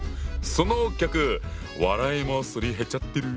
そのギャグ笑いもすり減っちゃってる？